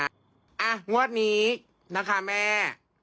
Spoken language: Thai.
อ่ะงวดนี้นะคะแม่